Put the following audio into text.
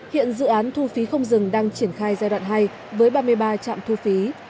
hiện dự án thu phí không dừng đang triển khai giai đoạn hai với ba mươi ba trạm thu phí